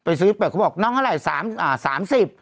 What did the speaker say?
ไปซื้อเขาบอกน้องเท่าไหร่๓๐บาท